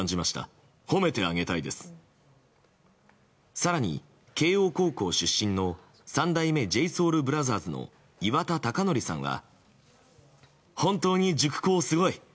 更に、慶應高校出身の三代目ＪＳＯＵＬＢＲＯＴＨＥＲＳの岩田剛典さんは。